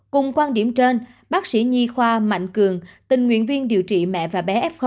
cùng quan điểm trên bác sĩ nhi khoa mạnh cường tình nguyện viên điều trị mẹ và bé f một